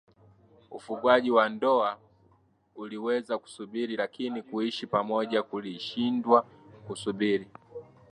Ufungwaji wa ndoa uliweza kusubiri lakini kuishi pamoja kulishindwa kusubiri